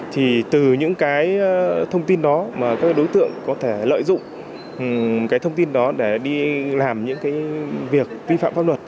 thì từ những cái thông tin đó mà các đối tượng có thể lợi dụng cái thông tin đó để đi làm những cái việc vi phạm pháp luật